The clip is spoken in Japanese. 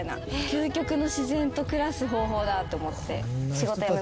「究極の自然と暮らす方法だ」って思って。